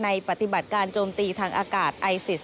ปฏิบัติการโจมตีทางอากาศไอซิส